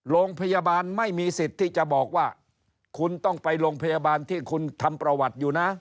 โรงพยาบาลไม่มีสิทธิ์ที่จะบอกว่าคุณต้องไปโรงพยาบาลที่คุณทำประวัติอยู่นะ